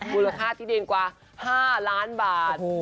มูลค่าที่ดินกว่า๕ล้านบาท